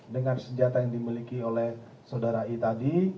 dengan senjata yang dimiliki oleh saudara i tadi